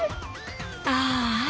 ああ。